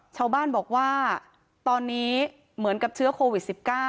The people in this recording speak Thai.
ชาวบ้านบอกว่าตอนนี้เหมือนกับเชื้อโควิด๑๙